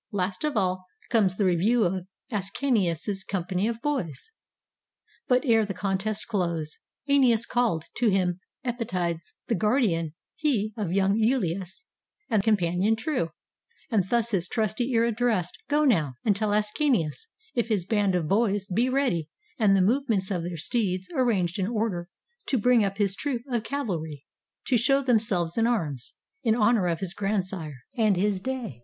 Last of all comes the review of Ascanius's company of boys.] But ere the contest closed, ^Eneas calls To him Epytides, — the guardian he Of young lulus, and companion true, — And thus his trusty ear addressed: "Go now, And tell Ascanius, if his band of boys Be ready, and the movements of their steeds Arranged in order, to bring up his troop Of cavalry, to show themselves in arms. In honor of his grandsire, and his day."